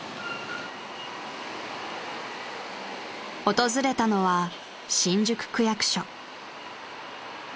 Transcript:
［訪れたのは新宿区役所］